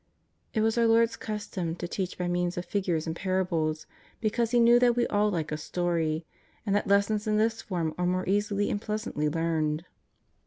'' It was our Lord's custom to teach by means of figures and parables, because He knew that we all like a story, and that lessons in this form are more easily and pleasantly learned.